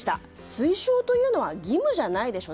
推奨というのは義務じゃないでしょ。